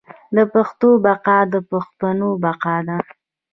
د پښتو بقا د پښتنو بقا ده.